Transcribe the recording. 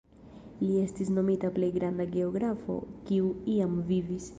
Li estis nomita plej granda geografo kiu iam vivis.